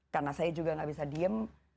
karena saya juga tidak bisa diam